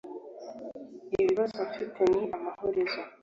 ibibazo mfite ni amahurizo